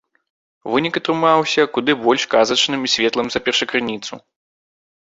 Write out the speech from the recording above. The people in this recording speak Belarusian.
Вынік атрымаўся куды больш казачным і светлым за першакрыніцу.